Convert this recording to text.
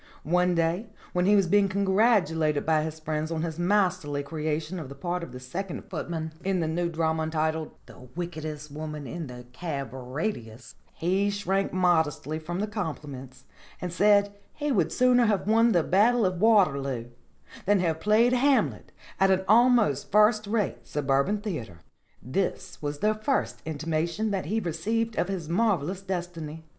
One day when he was being congratulated by his friends on his masterly creation of the part of the second footman in the new drama entitled 'The Wickedest Woman in the Cab Radius,' he shrank modestly from the compliments and said he would sooner have won the Battle of Waterloo than have played Hamlet at an almost first rate suburban theater. This was the first intimation that he received of his marvellous destiny.